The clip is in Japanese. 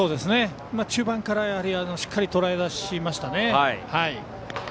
中盤からしっかりととらえだしましたね。